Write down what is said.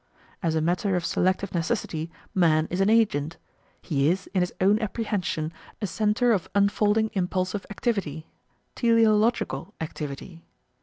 As a matter of selective necessity, man is an agent. He is, in his own apprehension, a centre of unfolding impulsive activity "teleological" activity.